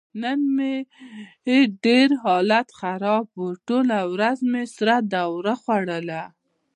نن مې ډېر حالت خراب و. ټوله ورځ مې سره دوره خوړله.